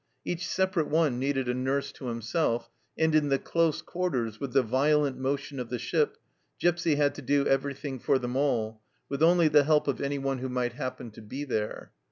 Each separate one needed a nurse to himself, and in the close quarters, with the violent motion of the ship, Gipsy had to do every thing for them all, with only the help of anyone WAITING FOR ATTACK 191 who might happen to be there.